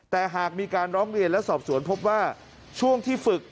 แต่หากมีการร้องเรียนและสอบสวนพบว่าช่วงที่ฝึก